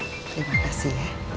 terima kasih ya